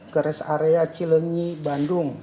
geres area cilengi bandung